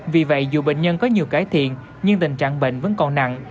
vì vậy dù bệnh nhân có nhiều cải thiện nhưng tình trạng bệnh vẫn còn nặng